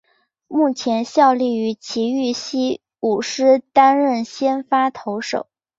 目前效力于崎玉西武狮担任先发投手。